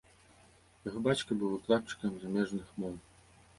Яго бацька быў выкладчыкам замежных моў.